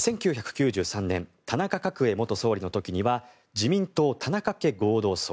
１９９３年田中角栄元総理の時には自民党・田中家合同葬。